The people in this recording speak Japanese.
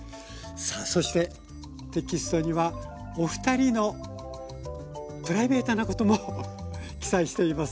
そしてテキストにはお二人のプライベートなことも記載しています。